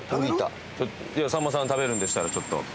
いやさんまさん食べるんでしたらちょっと。